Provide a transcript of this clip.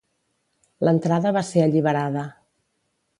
L'entrada va ser alliberada.